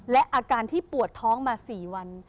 และอาการที่ปวดท้องมา๔วัน